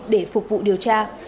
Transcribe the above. để phục vụ điều tra